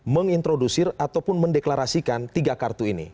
mengintrodusir ataupun mendeklarasikan tiga kartu ini